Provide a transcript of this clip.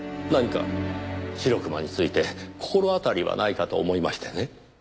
何かシロクマについて心当たりはないかと思いましてね。